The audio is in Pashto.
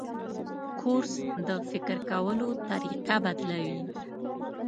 کورس د فکر کولو طریقه بدلوي.